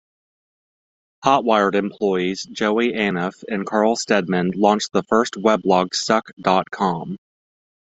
Hotwired employees Joey Anuff and Carl Steadman launched the first weblog Suck dot com.